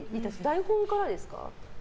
台本からですか？